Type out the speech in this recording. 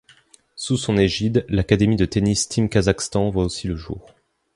Sous son égide, l'Académie de tennis Team Kazakhstan voit aussi le jour.